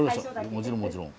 もちろんもちろん。